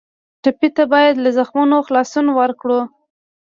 ټپي ته باید له زخمونو خلاصون ورکړو.